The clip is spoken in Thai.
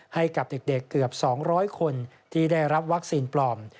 ให้กับเด็กเกือบ๒๐๐คนที่ได้รับวัคซีนปลอม